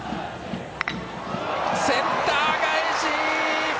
センター返し！